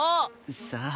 さあ。